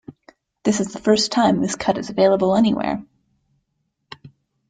This is the first time this cut is available anywhere.